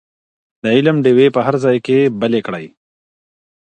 د علم ډېوې په هر ځای کي بلې کړئ.